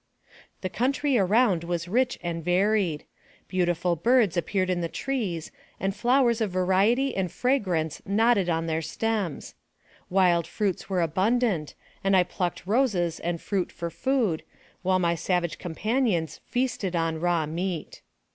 The country around was rich and varied. Beauti ful birds appeared in the trees, and flowers of variety and fragrance nodded on their stems. Wild fruits were abundant, and I plucked roses and fruit for food, while my savage companions feasted on raw meat.